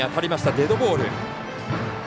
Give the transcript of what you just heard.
デッドボール。